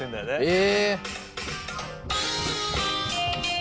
え！